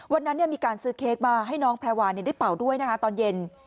วันนั้นมีการซื้อเค้กมาให้น้องแพรวาได้เป่าด้วยนะคะตอนเย็น